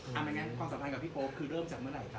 อย่างนั้นความสัมพันธ์กับพี่โป๊ปคือเริ่มจากเมื่อไหร่ครับ